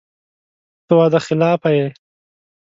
ته وعده خلافه یې !